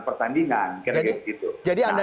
pertandingan jadi anda